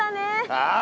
ああ！